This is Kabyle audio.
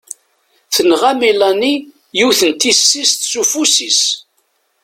Tenɣa Melanie yiwet n tissist s ufus-is.